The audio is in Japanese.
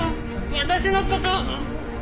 私のことは。